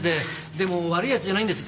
でも悪い奴じゃないんです。